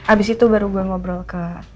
abis itu baru gue ngobrol ke